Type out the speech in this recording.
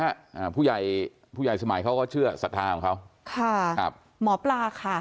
อ่าผู้ใหญ่ผู้ใหญ่สมัยเขาก็เชื่อศรัทธาของเขาค่ะครับหมอปลาค่ะ